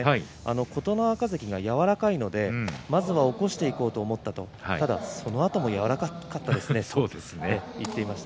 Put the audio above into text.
琴ノ若関が柔らかいのでまずは起こしていこうと思ったただ、そのあとも柔らかかったと話しています。